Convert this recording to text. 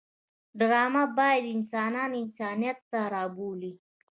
ډرامه باید انسانان انسانیت ته راوبولي